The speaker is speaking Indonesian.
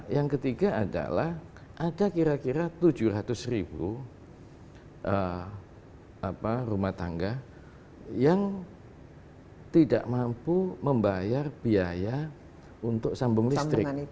yang ketiga adalah ada kira kira tujuh ratus ribu rumah tangga yang tidak mampu membayar biaya untuk sambung listrik